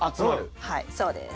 はいそうです。